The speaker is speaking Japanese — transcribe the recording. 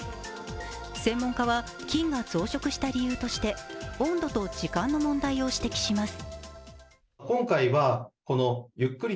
専門家は菌が増殖した理由として温度と時間の問題を指摘します。